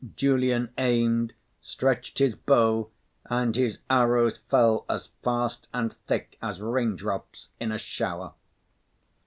Julian aimed, stretched his bow and his arrows fell as fast and thick as raindrops in a shower.